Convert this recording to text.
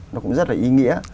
nó cũng rất là ý nghĩa